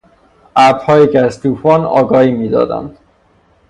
ابرهایی که از توفان آگاهی میدادند